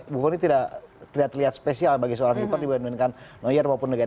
buffon ini tidak terlihat spesial bagi seorang keeper dibandingkan neuer maupun nugget